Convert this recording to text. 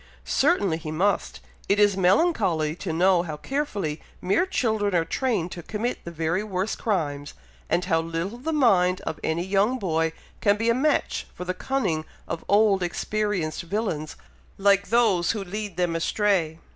"Certainly he must! It is melancholy to know how carefully mere children are trained to commit the very worst crimes, and how little the mind of any young boy can be a match for the cunning of old, experienced villains like those who lead them astray.